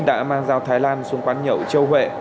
đã mang dao thái lan xuống quán nhậu châu huệ